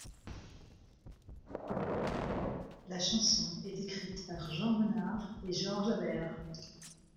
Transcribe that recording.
La chanson est écrite par Jean Renard et Georges Aber.